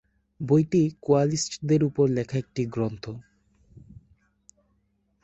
বইটি কোয়ালিস্টদের উপর লেখা একটি গ্রন্থ।